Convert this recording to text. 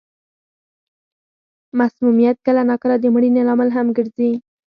مسمومیت کله نا کله د مړینې لامل هم ګرځي.